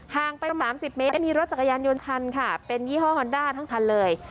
ห่างไปสามสิบเมตรได้มีรถจักรยานยนต์ทันค่ะเป็นยี่ห้อฮอนด้าทั้งทันเลย